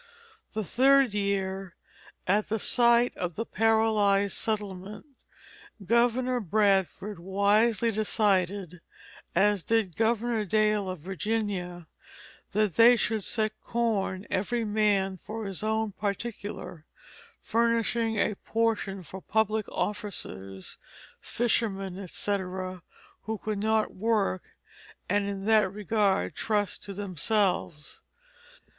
The third year, at the sight of the paralyzed settlement, Governor Bradford wisely decided, as did Governor Dale of Virginia, that "they should set corne every man for his owne particuler, furnishing a portion for public officers, fishermen, etc., who could not work, and in that regard trust to themselves."